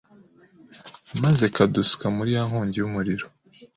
maze kadusuka muri ya nkongi y’umuriro.